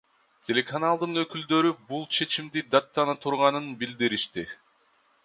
Телеканалдын өкүлдөрү бул чечимди даттана турганын билдиришти.